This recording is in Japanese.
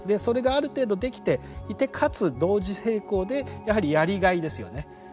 それがある程度できていてかつ同時並行でやはりやりがいですよね。